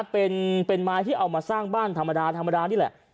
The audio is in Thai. เป็นไม้ที่เอามาสร้างบ้านธรรมดาธรรมดานี่แหละ